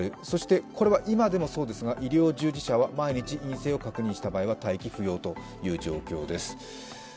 そしてこれは今でもそうですが医療従事者は万一、陰性を確認した場合は待機不要という状況です。